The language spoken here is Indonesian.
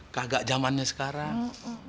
kagak jamannya sekarang